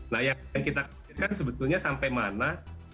nah yang kita kira kira sebetulnya sampai mana